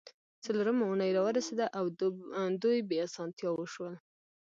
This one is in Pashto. څلورمه اونۍ راورسیده او دوی بې اسانتیاوو شول